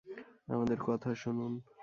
আমাদের কথা শুনুন।